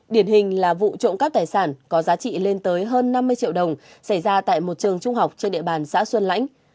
điển hình là vụ trộm cắp tài sản có giá trị lên tới hơn năm mươi triệu đồng xảy ra tại một trường trung học trên địa bàn xã xuân lãnh